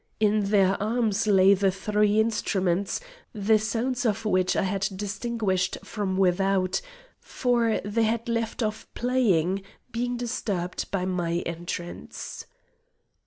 In their arms lay the three instruments, the sounds of which I had distinguished from without, for they had left off playing, being disturbed by my entrance.